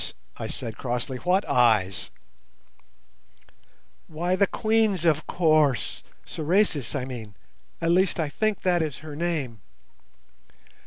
I said, crossly; "what eyes?" "Why, the Queen's, of course! Sorais, I mean—at least I think that is her name."